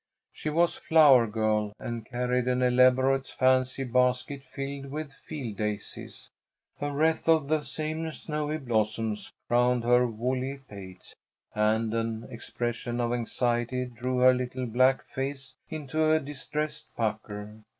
She was flower girl, and carried an elaborate fancy basket filled with field daisies. A wreath of the same snowy blossoms crowned her woolly pate, and an expression of anxiety drew her little black face into a distressed pucker.